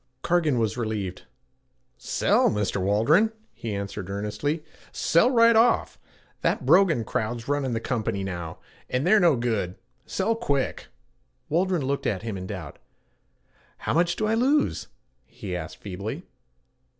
Cargan was relieved. 'Sell, Mr. Waldron,' he answered earnestly, 'sell right off. That Brogan crowd's runnin' the company now, and they're no good, sell quick.' Waldron looked at him in doubt. 'How much do I lose?' he asked feebly.